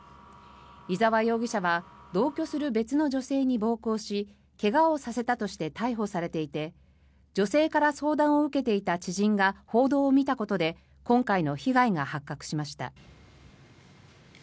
伊沢容疑者は同居する別の女性に暴行し怪我をさせたとして逮捕されていて女性から相談を受けていた知人が報道を見たことで今回の被害が発覚しました。